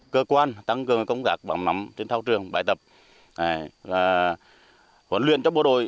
cơ quan tăng cơ công tác bằng nắm trên thao trường bài tập huấn luyện cho bộ đội